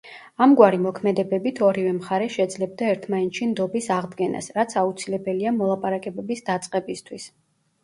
ამგვარი მოქმედებებით ორივე მხარე შეძლებდა ერთმანეთში ნდობის აღდგენას, რაც აუცილებელია მოლაპარაკებების დაწყებისთვის.